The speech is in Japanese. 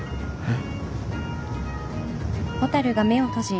えっ？